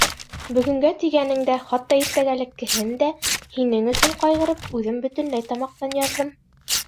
Бөгөнгә тигәнен дә, хатта иртәгәлеккеһен дә. һинең өсөн ҡайғырып, үҙем бөтөнләй тамаҡтан яҙҙым.